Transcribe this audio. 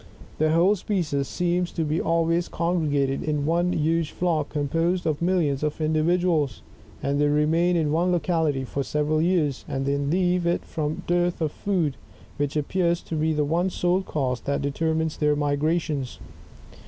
The whole species seems to be always congregated in one huge flock, composed of millions of individuals ; and they remain in one locality for several years, and then leave it from dearth of food, which appears to be the sole cause that deter mifles their migrations.